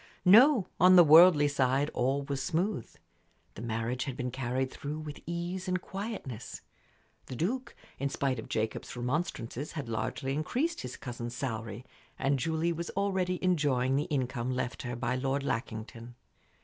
No; on the worldly side all was smooth. The marriage had been carried through with ease and quietness The Duke, in spite of Jacob's remonstrances, had largely increased his cousin's salary, and Julie was already enjoying the income left her by Lord Lackington.